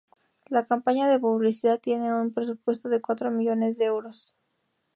La campaña de publicidad tiene un presupuesto de cuatro millones de euros.